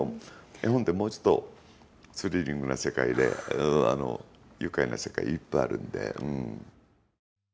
絵本って、もうちょっとスリリングな世界で愉快な世界いっぱいあるんで。